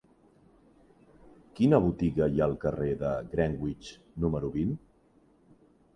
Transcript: Quina botiga hi ha al carrer de Greenwich número vint?